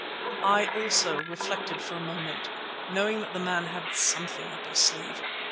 I also reflected for a moment, knowing that the man had something up his sleeve.